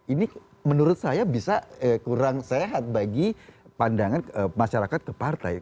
ini menurut saya bisa kurang sehat bagi pandangan masyarakat ke partai